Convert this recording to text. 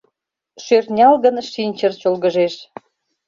Шӧртнялгын шинчыр чолгыжеш: